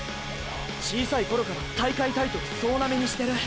小さい頃から大会タイトル総ナメにしてる。